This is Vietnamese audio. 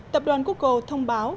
tập đoàn google thông báo